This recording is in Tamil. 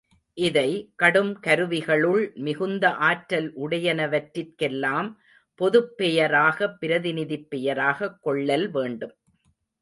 இதை, கடும் கருவிகளுள் மிகுந்த ஆற்றல் உடையனவற்றிற்கெல்லாம் பொதுப் பெயராக பிரதிநிதிப் பெயராகக் கொள்ளல் வேண்டும்.